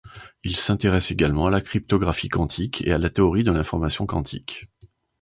Il s'intéresse également à la cryptographie quantique, et à la théorie de l'information quantique.